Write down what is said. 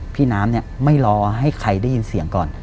พี่น้ำเนี่ยไม่รอให้ใครได้ยินเสียงก่อน